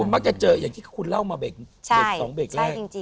มักจะเจออย่างที่คุณเล่ามาเบรก๒เบรกแรก